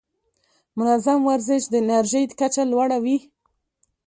منظم ورزش د انرژۍ کچه لوړه وي.